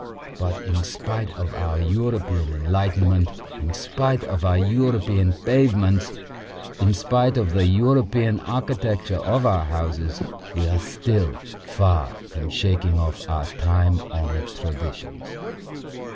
But in spite of our European enlightenment, in spite of our European pavements, in spite of the European architecture of our houses, we are still far from shaking off our time honoured traditions.